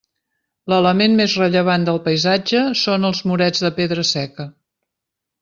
L'element més rellevant del paisatge són els murets de pedra seca.